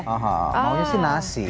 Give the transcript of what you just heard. aha maunya sih nasi